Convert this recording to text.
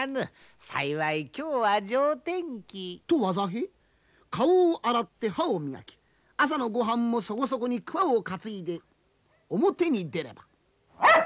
幸い今日は上天気！と技平顔を洗って歯を磨き朝のごはんもそこそこにクワを担いで表に出れば。